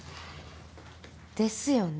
ですよね。